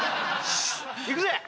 行くぜ！